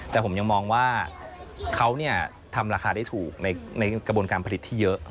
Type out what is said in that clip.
แต่ผมยังมองว่าเขาทำราคาได้ถูกในกระบวนการผลิตที่เยอะ